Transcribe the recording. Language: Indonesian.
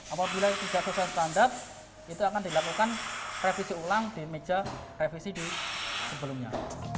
apabila tidak sesuai standar itu akan dilakukan revisi ulang di meja revisi di sebelumnya